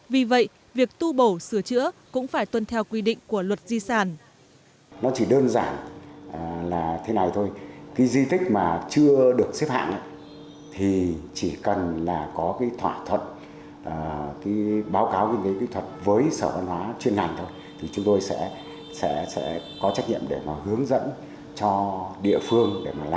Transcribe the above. vì vậy việc tu bổ sửa chữa cũng phải tuân theo quy định của luật di sản